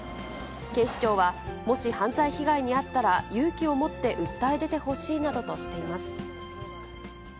警視庁は、もし犯罪被害に遭ったら、勇気を持って訴え出てほしいなどとしています。